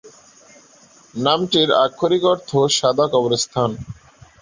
নামটির আক্ষরিক অর্থ সাদা কবরস্থান।